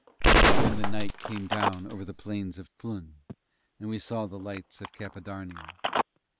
Then the night came down over the plains of Tlun, and we saw the lights of Cappadarnia.